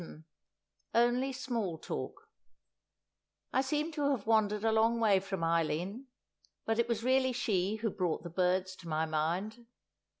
VII Only Small Talk I SEEM to have wandered a long way from Eileen, but it was really she who brought the birds to my mind.